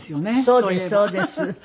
そうですそうです。